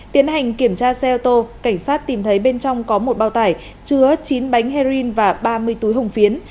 tiến hành kiểm tra xe ô tô cảnh sát tìm thấy bên trong có một bao tải chứa chín bánh heroin và ba mươi túi hồng phiến